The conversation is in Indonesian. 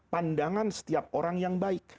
pandangan setiap orang yang baik